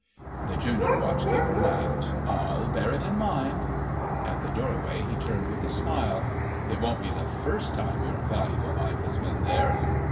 The Junior Watch keeper laughed. "I'll bear it in mind." At the doorway he turned with a smile: "It won't be the first time your valuable life has been there."